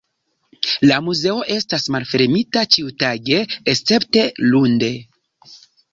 La muzeo estas malfermita ĉiutage escepte lunde.